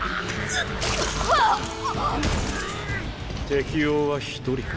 適応は１人か。